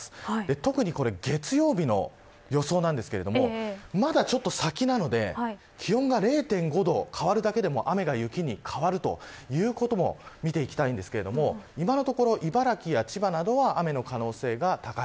特に月曜日の予想なんですがまだちょっと先なので気温が０．５度変わるだけでも雨が雪に変わるということも見ていきたいんですけれど今のところ、茨城や千葉などは雨の可能性が高い。